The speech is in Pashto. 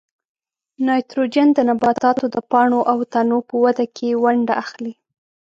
نایتروجن د نباتاتو د پاڼو او تنو په وده کې ونډه اخلي.